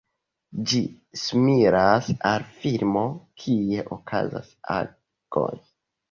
Ĝi similas al filmo, kie okazas agoj.